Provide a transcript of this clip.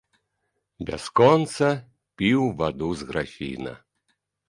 Бясконца піў ваду з графіна.